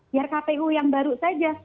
biar kpu yang baru saja